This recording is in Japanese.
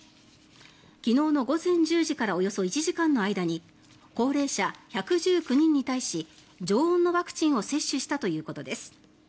昨日の午前１０時からおよそ１時間の間に高齢者１１９人に対し常温のワクチンを接種したということです。